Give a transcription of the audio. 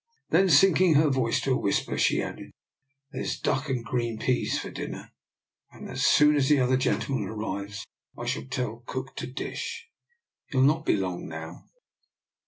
Then sinking her voice to a whisper she added: " There's duck and green peas for dinner, and as soon as the other gentleman arrives I shall tell cook to dish. He'll not be long now."